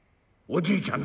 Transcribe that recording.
おじいちゃん